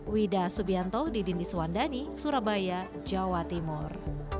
wida subianto di dini suwandani surabaya jawa timur